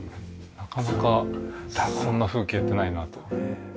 なかなかそんな風景ってないなと。